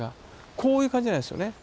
こういう感じじゃないんですよね。